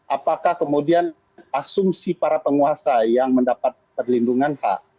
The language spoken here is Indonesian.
apakah kemudian asumsi para penguasa yang mendapat perlindungan hak